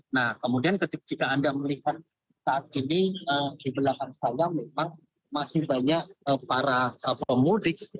nah kemudian ketika anda melihat saat ini di belakang saya memang masih banyak para pemudik